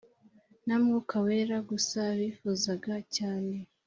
na mwuka wera gusa bifuzaga cyane